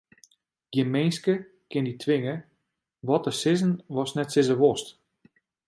Gjin minske kin dy twinge wat te sizzen watst net sizze wolst.